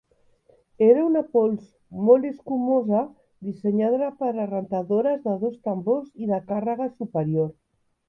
Era una pols molt escumosa dissenyada per a rentadores de dos tambors i de càrrega superior.